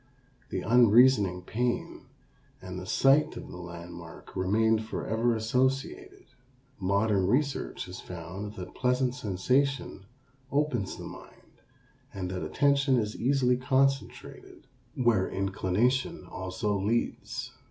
The unreasoning pain and the sight of the landmark remained forever associated. Modern research has found that pleasant sensation opens the mind and that attention is easily concentrated where inclination also leads.